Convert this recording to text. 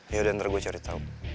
yaudah ntar gue cari tahu